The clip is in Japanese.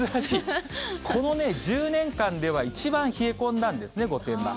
この１０年間では、一番冷え込んだんですね、御殿場。